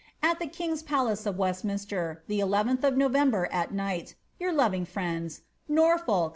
» king's palace of Westminster, the 11th of November, at night Your loving friends, ^NomroLK.